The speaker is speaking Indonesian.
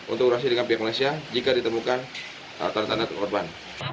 untuk operasi dengan pihak malaysia jika ditemukan tanda tanda korban